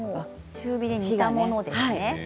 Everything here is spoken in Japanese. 中火で煮たものですね。